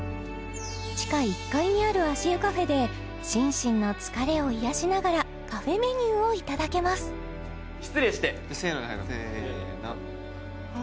地下１階にある足湯カフェで心身の疲れを癒やしながらカフェメニューをいただけます失礼してせーので入ろうせーのあ